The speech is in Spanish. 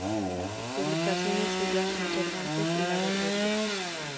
Publicaciones suyas son "Cervantes y la Berbería.